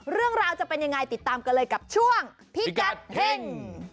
เรื่องราวจะเป็นยังไงติดตามกันเลยกับช่วงพิกัดเฮ่ง